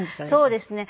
そうですね。